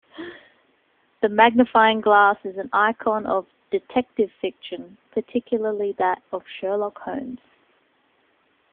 The magnifying glass is an icon of detective fiction, particularly that of Sherlock Holmes.